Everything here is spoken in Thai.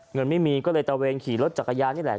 เงินไม่มีก็เลยตะเวนขี่รถจักรยานนี่แหละ